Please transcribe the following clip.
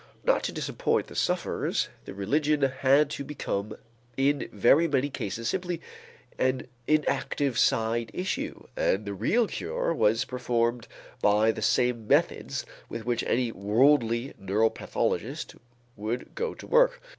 Not to disappoint the sufferers, the religion had to become in very many cases simply an inactive side issue and the real cure was performed by the same methods with which any worldly neuropathologist would go to work.